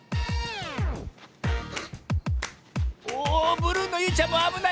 おブルーのゆいちゃんもあぶない。